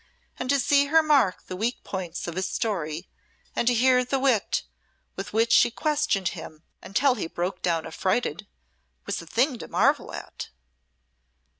And to see her mark the weak points of his story, and to hear the wit with which she questioned him until he broke down affrighted, was a thing to marvel at.